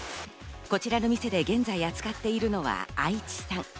こちらの店で現在扱っているのは愛知産。